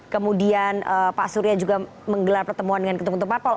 kemudian pak surya juga menggelar pertemuan dengan ketum ketum parpol